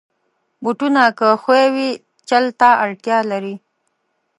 بوټونه که ښوی وي، چل ته اړتیا لري.